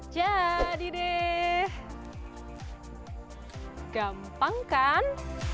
jadi deh gampang kan